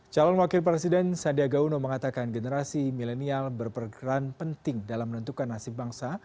calon wakil presiden sandiaga uno mengatakan generasi milenial berpergeran penting dalam menentukan nasib bangsa